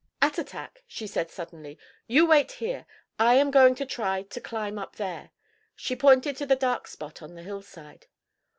"Attatak," she said suddenly, "you wait here. I am going to try to climb up there." She pointed to the dark spot on the hillside.